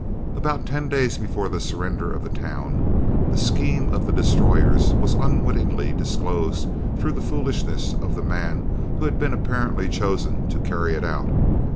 About ten days before the surrender of the town, the scheme of the "Destroyers" was unwittingly disclosed through the foolishness of the man who had been apparently chosen to carry it out.